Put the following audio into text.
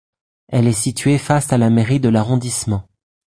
Elle est située face à la mairie de l'arrondissement.